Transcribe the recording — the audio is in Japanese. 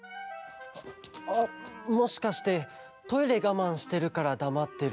あもしかしてトイレがまんしてるからだまってるとか？